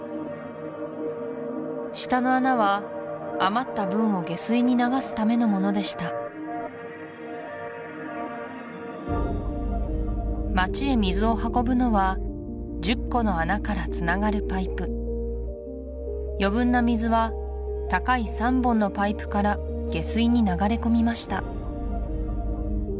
下の穴は余った分を下水に流すためのものでした街へ水を運ぶのは１０個の穴からつながるパイプ余分な水は高い３本のパイプから下水に流れ込みました